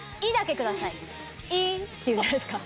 「い」って言うじゃないですか。